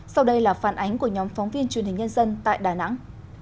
sau đây là phản ánh của nhóm phóng viên truyền hình nhân dân tại đà nẵng